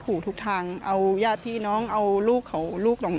พี่สาวบอกแบบนั้นหลังจากนั้นเลยเตือนน้องตลอดว่าอย่าเข้าในพงษ์นะ